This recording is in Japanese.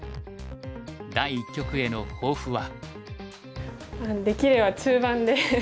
第一局への抱負は。